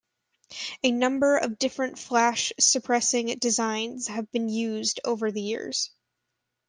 A number of different flash suppressing designs have been used over the years.